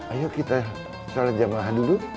ayo kita salat jamlah dulu